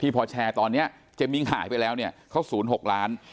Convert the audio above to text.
พี่พอร์แชร์ตอนเนี้ยเจมิ้งหายไปแล้วเนี่ยเขาศูนย์หกล้าน